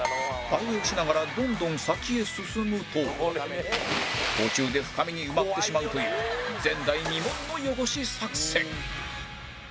田植えをしながらどんどん先へ進むと途中で深みに埋まってしまうという前代未聞の汚し作戦